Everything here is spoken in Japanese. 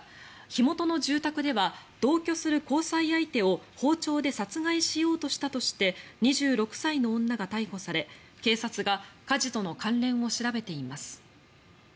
火元の住宅では同居する交際相手を包丁で殺害しようとしたとして２６歳の女が逮捕され警察が火事との関連を調べています。